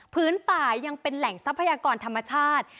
พื้นป่ายังเป็นแหล่งทรัพยากรธรรมชาติ